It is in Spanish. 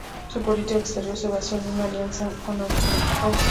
Su política exterior se basó en una alianza con Austria.